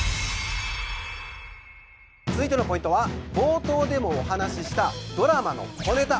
続いてのポイントは冒頭でもお話ししたドラマの小ネタ。